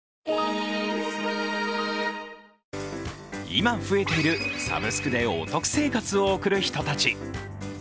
今増えている、サブスクでお得生活を送る人たち。